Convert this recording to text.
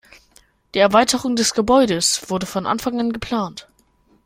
Die Erweiterung des Gebäudes wurde von Anfang an geplant.